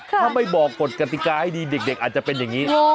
ถ้าไม่บอกกฎกติกาให้ดีเด็กอาจจะเป็นอย่างนี้